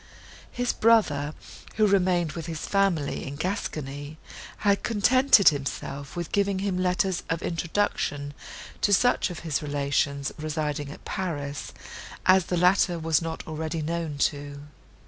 His brother, who remained with his family in Gascony, had contented himself with giving him letters of introduction to such of his relations, residing at Paris, as the latter was not already known to.